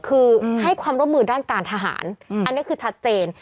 คือให้ความร่วมมือด้านการทหารอันนี้คือชัดเจน